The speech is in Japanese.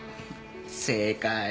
正解。